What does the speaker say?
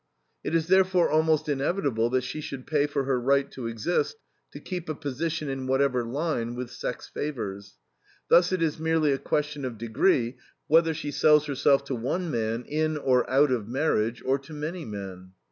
It is therefore almost inevitable that she should pay for her right to exist, to keep a position in whatever line, with sex favors. Thus it is merely a question of degree whether she sells herself to one man, in or out of marriage, or to many men.